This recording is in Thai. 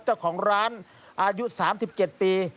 เจ้าของร้านอายุ๓๗ปี